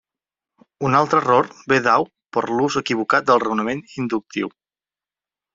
Un altre error ve dau per l'ús equivocat del raonament inductiu.